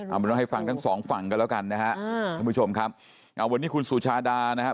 เอาไปให้ฟังทั้งสองฝั่งกันแล้วกันนะครับจะมีชมค่ะเอาวันนี้คุณยันดานะฮะ